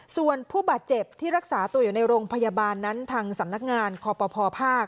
ส่วนผู้บาดเจ็บที่รักษาตัวอยู่ในโรงพยาบาลนั้นทางสำนักงานคอปภภาค